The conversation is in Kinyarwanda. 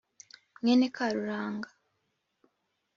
mwene karuranga